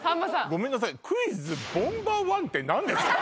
ごめんなさい「クイズ！ボンバーワン」って何ですか？